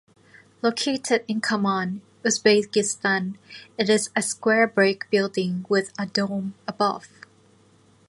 Located in Karman, Uzbekistan, it is a square brick building with a dome above.